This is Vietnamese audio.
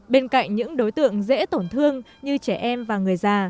bên cạnh những đối tượng dễ tổn thương như trẻ em và người già